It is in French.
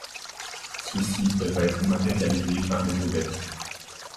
Ceux-ci peuvent être matérialisés par des aubettes.